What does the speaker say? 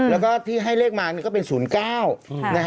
แล้วก็ที่ให้เลขมาก็เป็นศูนย์๙